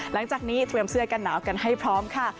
หลังจากนี้เตรียมเสื้อกันหนาวกันให้พร้อมค่ะ